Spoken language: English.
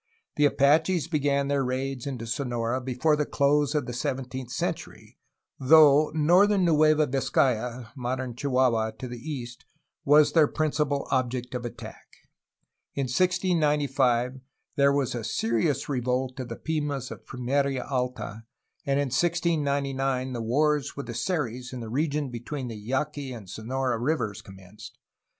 The Apaches began their raids into Sonora before the close of the seventeenth century, though northern Nueva Vizcaya (modern Chihua hua) to the east was their principal object of attack. In 1695 there was a serious revolt of the Pimas of Pimerla Alta, and in 1699 the wars with the Seris in the region between the Yaqui and Sonora rivers commenced.